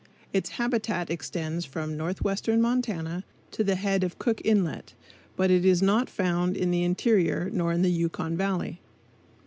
Its habitat extends from northwestern Montana to the head of Cook Inlet, but it is not found in the interior nor in the Yukon Valley.